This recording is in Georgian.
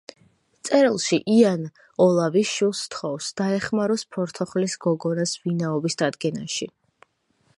წერილში იან ოლავი შვილს სთხოვს, დაეხმაროს ფორთოხლის გოგონას ვინაობის დადგენაში.